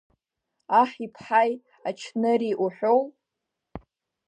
Аҳ иԥҳаи ачныри уҳәоу?